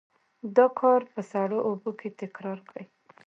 دا کار په سړو اوبو کې تکرار کړئ.